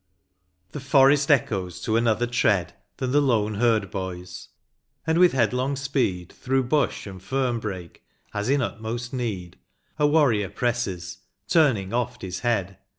The forest echoes to another tread Than the lone herd hoys, and with headlong speed, Through hush and fern hrake, as in utmost need, A warrior presses, turning oft his head.